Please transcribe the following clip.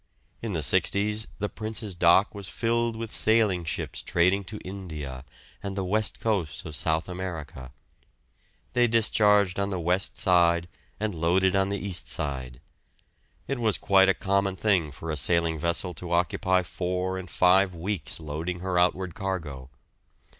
In the 'sixties the Prince's dock was filled with sailing ships trading to India and the West Coast of South America. They discharged on the west side and loaded on the east side. It was quite a common thing for a sailing vessel to occupy four and five weeks loading her outward cargo.